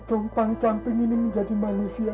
tumpang camping ini menjadi manusia